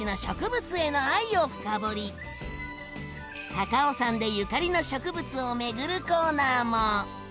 高尾山でゆかりの植物を巡るコーナーも。